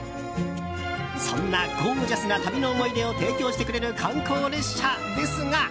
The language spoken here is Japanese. そんなゴージャスな旅の思い出を提供してくれる観光列車ですが。